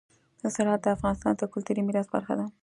زراعت د افغانستان د کلتوري میراث برخه ده.